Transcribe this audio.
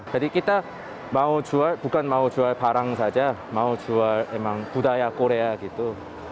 jadi kita mau jual bukan mau jual barang saja mau jual emang budaya korea gitu